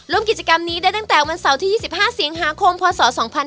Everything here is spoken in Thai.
ร่วมกิจกรรมนี้ได้ตั้งแต่วันเสาร์ที่๒๕สิงหาคมพศ๒๕๕๙